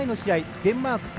デンマーク対